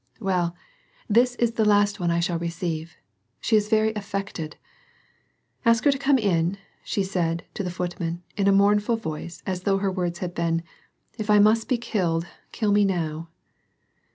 " Well, this is the last one I shall receive. She is very affected. — Ask her to come in," said she, to the footman, in a mournful voice, as though her words had been :" If I must be killed, kill me now."